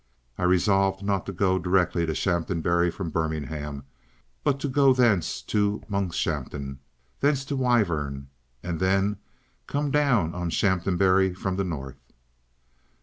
I resolved not to go directly to Shaphambury from Birmingham, but to go thence to Monkshampton, thence to Wyvern, and then come down on Shaphambury from the north.